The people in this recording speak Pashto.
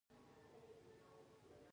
دا هغه ته خوځښت او مقاومت هم ورکوي